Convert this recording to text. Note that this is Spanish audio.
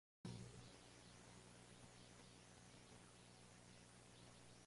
Empero estaré en Efeso hasta Pentecostés;